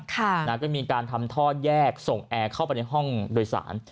ก็มีการทำท่อแยกส่งแอร์เข้าไปในห้องโดยสาร